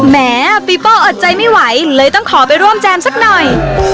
แม้ปีโป้ออดใจไม่ไหวเลยต้องขอไปร่วมแจมสักหน่อย